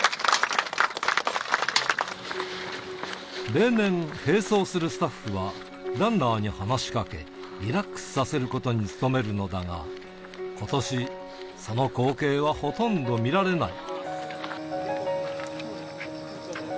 例年、並走するスタッフはランナーに話しかけ、リラックスさせることに努めるのだが、ことし、その光景はほとんど見られない。